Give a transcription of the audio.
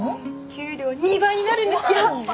給料２倍になるんですって！